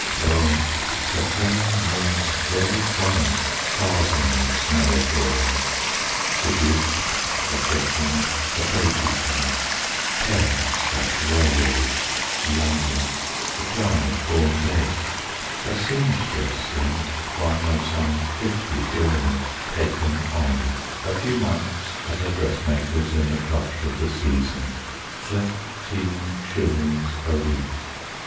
O her tale Was very common; thousands know it all! Seduced; a gentleman; a baby coming; Parents that railed; London; the child born dead; A seamstress then, one of some fifty girls "Taken on" a few months at a dressmaker's In the crush of the "season;" thirteen shillings a week!